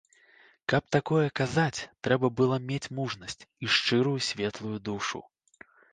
Каб такое казаць, трэба было мець мужнасць і шчырую і светлую душу.